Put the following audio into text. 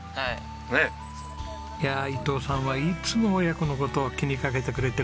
いやあ伊藤さんはいつも親子の事を気にかけてくれてるんです。